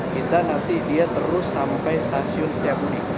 kita nanti dia terus sampai stasiun setiap menit